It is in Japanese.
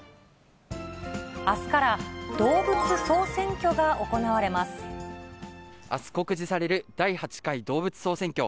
あすから、動物総選挙が行わあす告示される第８回動物総選挙。